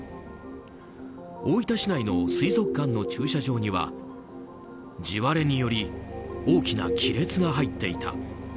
大分市内の水族館の駐車場には地割れにより大きな亀裂が入っていた。